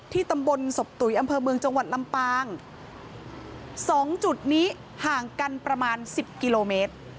ตำบลศพตุ๋ยอำเภอเมืองจังหวัดลำปางสองจุดนี้ห่างกันประมาณสิบกิโลเมตร